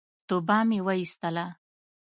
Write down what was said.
توبه مي واېستله !